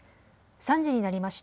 ３時になりました。